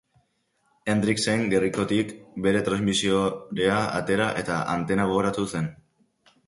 Hendricksek gerrikotik bere transmisorea atera, eta antena goratu zuen.